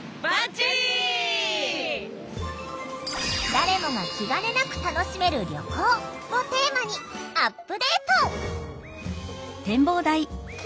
「誰もが気がねなく楽しめる旅行」をテーマにアップデート！